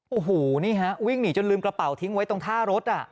โอ้โหนี่ฮะวิ่งหนีจนลืมกระเป๋าทิ้งไว้ตรงท่ารถ